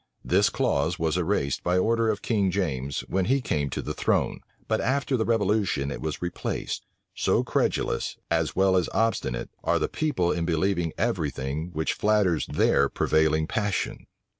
This clause was erased by order of King James, when he came to the throne; but after the revolution it was replaced: so credulous, as well as obstinate, are the people in believing every thing which flatters their prevailing passion.